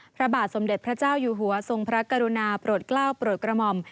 พระบาทสมเด็จพระเจ้าอยู่หัวทรงพระกรุณาโปรดกล้าวโปรดกระหม่อม